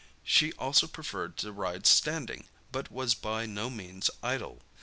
She also preferred to ride standing, but was by no means idle.